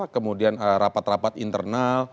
kemudian rapat rapat internal